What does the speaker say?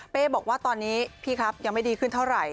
บอกว่าตอนนี้พี่ครับยังไม่ดีขึ้นเท่าไหร่